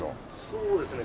そうですね。